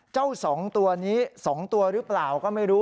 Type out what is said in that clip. เจ้าสองตัวนี้สองตัวรึเปล่าก็ไม่รู้